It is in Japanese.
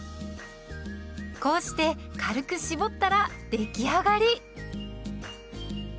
こうして軽く絞ったら出来上がり。